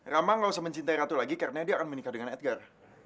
rama gak usah mencintai ratu lagi karena dia akan menikah dengan edgar